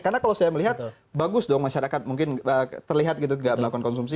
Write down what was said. karena kalau saya melihat bagus dong masyarakat mungkin terlihat tidak melakukan konsumsi